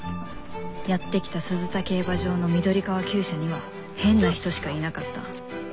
やって来た鈴田競馬場の緑川厩舎には変な人しかいなかった。